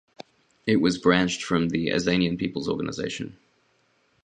It was branched from the Azanian People's Organisation.